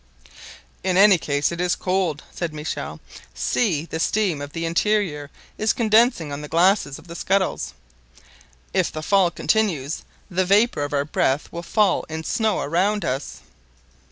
"In any case it is cold," said Michel. "See! the steam of the interior is condensing on the glasses of the scuttles. If the fall continues, the vapor of our breath will fall in snow around us."